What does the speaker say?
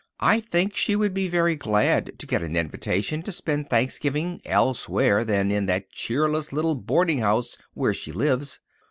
I think she would be very glad to get an invitation to spend Thanksgiving elsewhere than in that cheerless little boarding house where she lives."